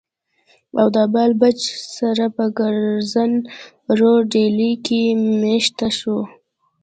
او د بال بچ سره پۀ کرزن روډ ډيلي کښې ميشته شو